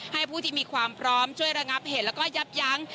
ผู้ที่มีความพร้อมช่วยระงับเหตุแล้วก็ยับยั้ง